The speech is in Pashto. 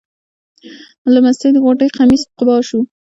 له مستۍ د غوټۍ قمیص قبا شو.